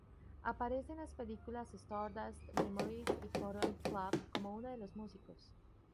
Aparece en las películas "Stardust Memories" y "Cotton Club", como uno de los músicos.